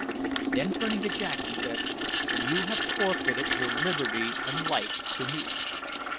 Then turning to Jack, he said, "You have forfeited your liberty and life to me.